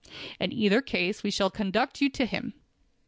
In either case we shall conduct you to him.